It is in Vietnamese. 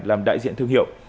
làm đại diện thương hiệu